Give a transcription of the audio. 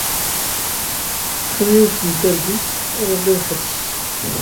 Ufiɣ yiwet n targit iḍelli weḥd-s.